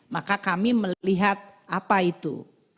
maka kami melihat apa itu